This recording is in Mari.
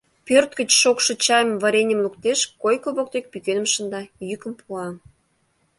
Пӧрт гыч шокшо чайым, вареньым луктеш, койко воктек пӱкеным шында, йӱкым пуа: